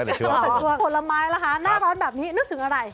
ผลไม้ละคะหน้าร้อนแบบนี้นึกถึงอะไร